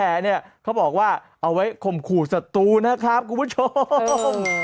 เอาไว้คมขู่สัตว์ตูนะครับคุณผู้ชม